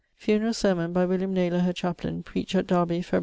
Funerall Sermon, by William Naylour, her chaplain, preached at Darby, Feb.